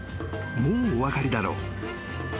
もうお分かりだろう］